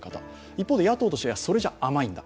一方で雇うとしてはそれじゃ甘いんだ。